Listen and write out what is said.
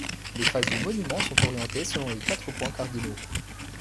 Les faces du monument sont orientées selon les quatre points cardinaux.